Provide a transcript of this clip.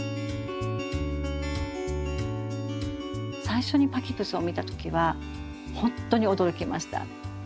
最初にパキプスを見た時はほんとに驚きました。